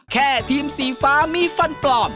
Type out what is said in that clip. แค่ทีมสีฟ้ามีฟันปลอม